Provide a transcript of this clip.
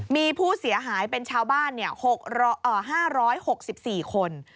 มีผู้เสียหายเป็นชาวบ้าน๕๖๔คน